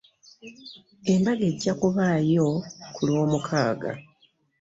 Embaga ejja kubaayo ku lwamukaaga.